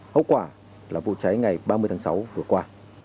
hậu quả là vụ cháy ngày ba mươi tháng sáu vừa qua